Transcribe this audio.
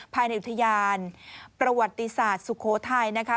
ภายในอุทยานประวัติศาสตร์สุโขทัยนะคะ